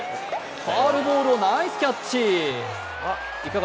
ファウルボールをナイスキャッチ。